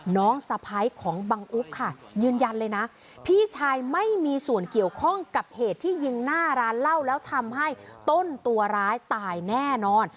น้องสะพ้ายของบังอุ๊บค่ะยืนยันเลยนะพี่ชายไม่มีส่วนเกี่ยวข้องกับเหตุที่ยิงหน้าร้านเหล้าแล้วทำให้ต้นตัวร้ายตายแน่นอน